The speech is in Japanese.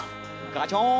ガチョーン。